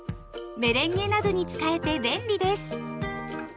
メレンゲなどに使えて便利です。